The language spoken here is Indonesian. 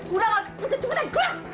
udah mau cepetan